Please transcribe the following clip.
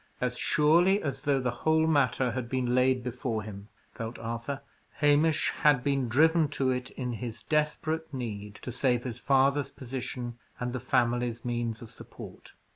As surely as though the whole matter had been laid before him, felt Arthur, Hamish had been driven to it in his desperate need, to save his father's position, and the family's means of support.